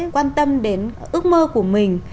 quan tâm đến ước mơ của mình